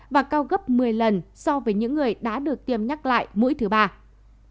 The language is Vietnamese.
và cao gấp một mươi lần so với những người đã tiêm đủ liều vaccine